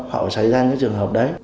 họ xảy ra những trường hợp đấy